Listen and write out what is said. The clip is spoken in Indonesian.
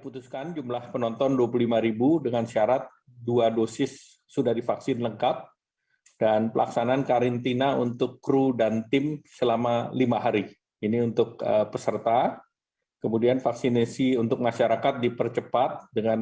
ketiga ajang balap internasional tersebut akan digelar di tengah masa pandemi covid sembilan belas